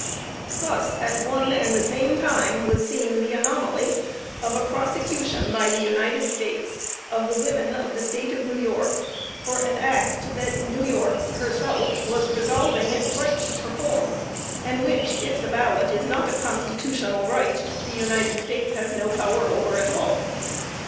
Thus at one and the same time was seen the anomaly of a prosecution by the United States of women of the State of New York for an act that New York herself was resolving it right to perform, and which if the ballot is not a constitutional right, the United States has no power over at all.